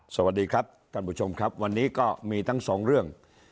สวัสดีครับท่านผู้ชมครับวันนี้ก็มีทั้งสองเรื่อง